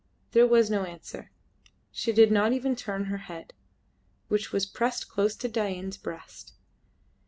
There was no answer. She did not even turn her head, which was pressed close to Dain's breast.